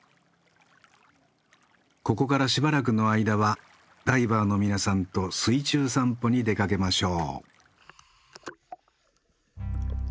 ここからしばらくの間はダイバーの皆さんと水中散歩に出かけましょう。